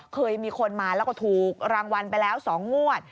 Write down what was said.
เคยมีคนมาแล้วก็ถูกรางวัลไปแล้ว๒งวด